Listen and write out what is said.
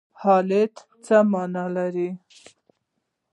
اهلیت څه مانا لري؟